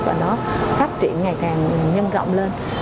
và nó phát triển ngày càng nhanh rộng lên